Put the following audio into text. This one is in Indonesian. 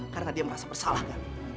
karena dia merasa bersalah gak